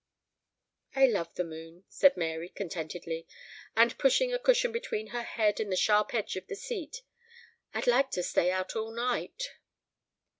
"I love the moon," said Mary contentedly, and pushing a cushion between her head and the sharp edge of the seat, "I'd like to stay out all night."